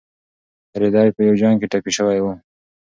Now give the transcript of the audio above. رېدی په یو جنګ کې ټپي شوی و.